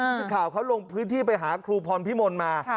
ทีมข่าวเขาลงพื้นที่ไปหาครูพรพิมลมา